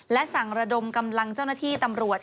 และสั่งระดมกำลังเจ้าหน้าที่ตำรวจ